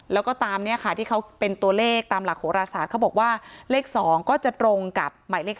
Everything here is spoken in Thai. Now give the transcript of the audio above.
แล้วก็ตามนี้ค่ะที่เขาเป็นตัวเลขตามหลักโหราศาสตร์เขาบอกว่าเลข๒ก็จะตรงกับหมายเลข๕